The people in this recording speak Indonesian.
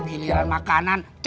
abis maghrib jemput makanan ya